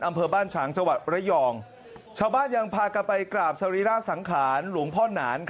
อำเภอบ้านฉางจระยองชาวบ้านยังพากันไปกราบสรีราศังขาน